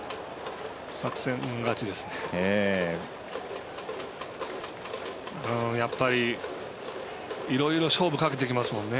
作戦勝ちですね。